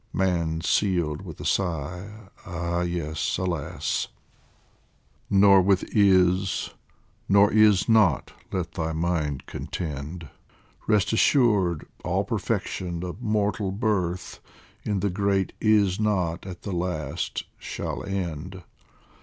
Man sealed with a sigh : Ah yes, alas ! 75 POEMS FROM THE Nor with Is nor Is Not let thy mind contend ; Rest assured all perfection of mortal birth In the great Is Not at the last shall end.